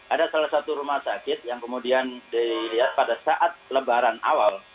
ada salah satu rumah sakit yang kemudian dilihat pada saat lebaran awal